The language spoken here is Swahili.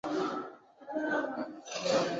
muziki sikiliza rfi kiswahili